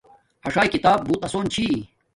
اݽاݵ کتاب بوت آسون چھی